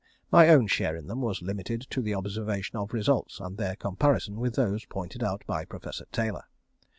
My own share in them was limited to the observation of results, and their comparison with those pointed out by Professor Taylor.